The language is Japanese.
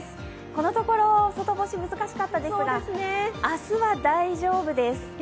このところ、外干し難しかったですが、明日は大丈夫です。